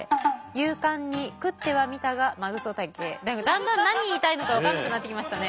だんだん何言いたいのか分かんなくなってきましたね。